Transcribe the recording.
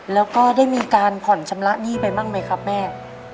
แล้วก็ได้มีการผ่อนชำระหนี้ไปบ้างไหมครับแม่